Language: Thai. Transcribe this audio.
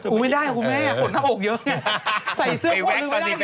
คุณไม่ได้คุณแม่ขนข้างอกเยอะไงใส่เสื้อขนอื่นไม่ได้คุณแม่